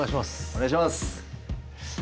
お願いします